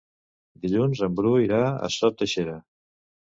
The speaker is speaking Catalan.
Dilluns en Bru irà a Sot de Xera.